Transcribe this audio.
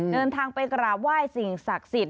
เดินทางไปกราบไหว้สิ่งศักดิ์สิทธิ